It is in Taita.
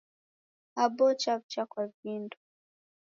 Aboo chaw'ucha kwa vindo.